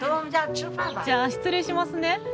じゃあ失礼しますね。